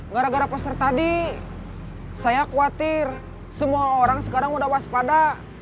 gara gara poster tadi saya khawatir semua orang sekarang udah waspada